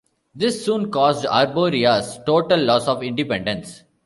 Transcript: This soon caused Arborea's total loss of independence.